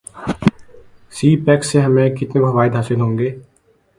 سی pack سے ہمیں کتنے فوائد حاصل ہوں گے